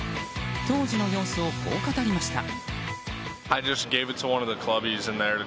当時の様子をこう語りました。